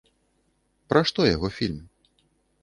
Пра што яго фільм?